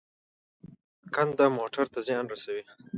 کنده موټر ته زیان رسوي.